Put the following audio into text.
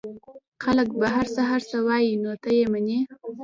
خلک به هرڅه هرڅه وايي نو ته يې منې؟